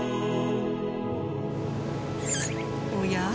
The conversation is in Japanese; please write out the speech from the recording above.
おや？